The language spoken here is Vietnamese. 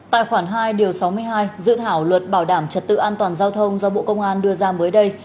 tại khoản hai điều sáu mươi hai dự thảo luật bảo đảm trật tự an toàn giao thông do bộ công an đưa ra mới đây